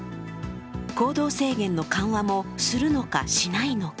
行動制限の緩和もするのか、しないのか。